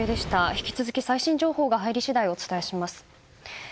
引き続き、最新情報が入り次第お伝えします。